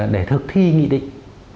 để thực thi nghị định